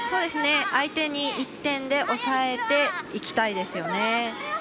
相手に１点で抑えていきたいですよね。